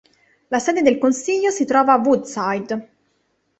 La sede del consiglio si trova a Woodside.